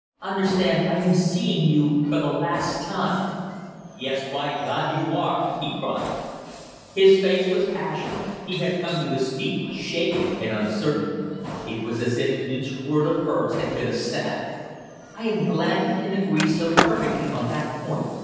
Understand, I am seeing you for the last time " "Yes, by God, you are!" he cried. His face was ashen. He had come to his feet, shaken and uncertain. It was as if each word of hers had been a stab. "I am glad we can agree so perfectly on that point.